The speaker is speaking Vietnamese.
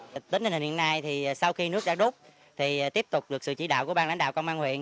tính đến hình hiện nay thì sau khi nước đã đốt thì tiếp tục được sự chỉ đạo của bang lãnh đạo công an huyện